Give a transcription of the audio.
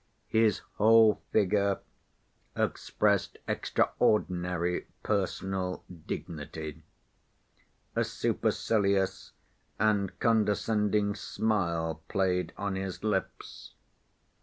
His whole figure expressed extraordinary personal dignity. A supercilious and condescending smile played on his lips.